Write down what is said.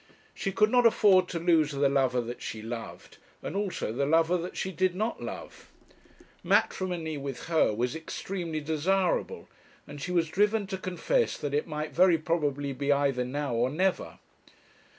She could not afford to lose the lover that she loved, and also the lover that she did not love. Matrimony with her was extremely desirable, and she was driven to confess that it might very probably be either now or never.